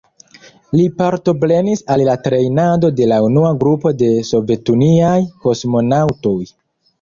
Li partoprenis al la trejnado de la unua grupo de sovetuniaj kosmonaŭtoj.